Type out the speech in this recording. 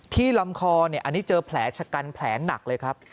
ลำคออันนี้เจอแผลชะกันแผลหนักเลยครับ